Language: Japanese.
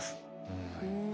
うん。